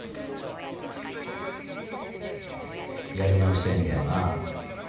やり直したいんだよな？